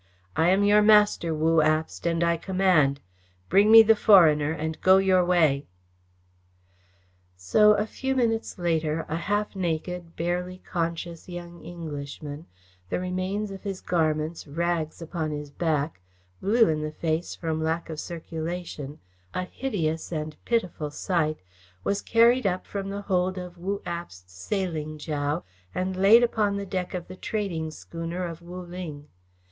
I am your master, Wu Abst, and I command. Bring me the foreigner and go your way." So, a few minutes later, a half naked, barely conscious, young Englishman, the remains of his garments rags upon his back, blue in the face from lack of circulation, a hideous and pitiful sight, was carried up from the hold of Wu Abst's sailing dhow and laid upon the deck of the trading schooner of Wu Ling.